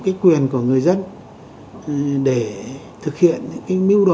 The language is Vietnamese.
cái quyền của người dân để thực hiện những cái mưu đồ chính trị của họ